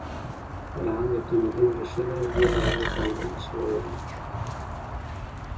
فرهنګ د تمدن ریښه ده او بې له هغې تمدن نشي غوړېدی.